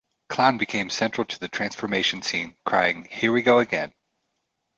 Clown became central to the transformation scene, crying Here we are again!